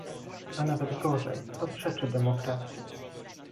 A nawet gorzej - to przeczy demokracji